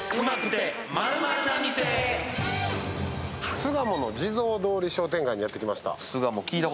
巣鴨の地蔵通り商店街にやってきました。